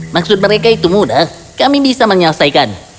maksud mereka itu mudah kami bisa menyelesaikan